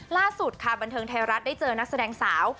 ล่าสุดค่ะบันเทิงไทยรัฐได้เจอนักแสดงสาว